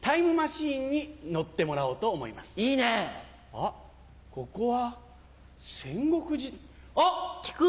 あっここは戦国時代あっ！